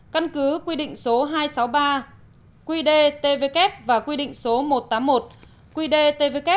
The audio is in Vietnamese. căn cứ quy định số hai trăm sáu mươi ba qdtvk và quy định số một trăm tám mươi một qdtvk